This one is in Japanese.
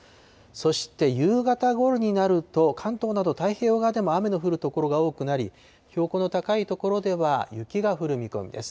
そして夕方ごろになると、関東など、太平洋側でも雨の降る所が多くなり、標高の高い所では雪が降る見込みです。